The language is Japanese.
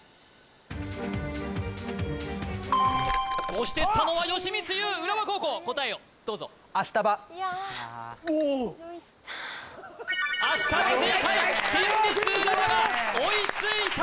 押してったのは吉光由浦和高校答えをどうぞアシタバアシタバ正解県立浦和が追いついた！